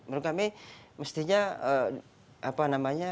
menurut kami mestinya apa namanya